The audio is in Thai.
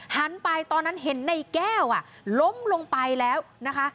หันไปตอนนั้นเห็นในแก้วล้มลงไปแล้วนะคะ